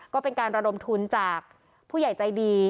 ก็เป็นการระดมทุนจากผู้ใหญ่ใจดี